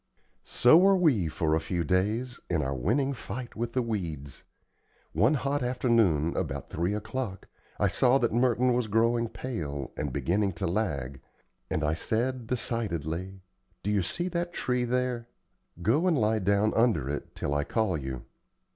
So were we for a few days, in our winning fight with the weeds. One hot afternoon, about three o'clock, I saw that Merton was growing pale, and beginning to lag, and I said, decidedly: "Do you see that tree there? Go and lie down under it till I call you."